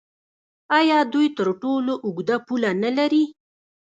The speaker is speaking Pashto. آیا دوی تر ټولو اوږده پوله نلري؟